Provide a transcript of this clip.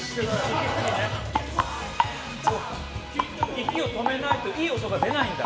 息を止めないといい音が出ないんだ。